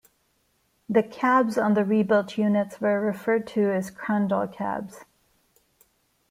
The cabs on the rebuilt units were referred to as Crandall Cabs.